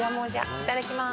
いただきます。